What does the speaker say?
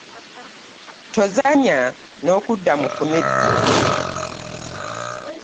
Tozannya n’okudda mu kunywa bbidde